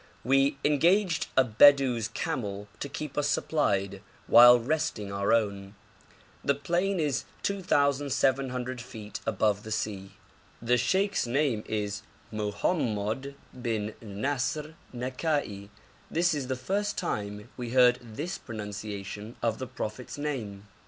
We engaged a Bedou's camel to keep us supplied, while resting our own. The plain is 2,700 feet above the sea. The sheikh's name is Mohommod bin Nasr Nakai; this is the first time we heard this pronunciation of the Prophet's name.